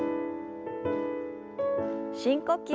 深呼吸。